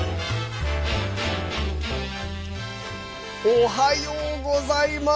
おはようございます。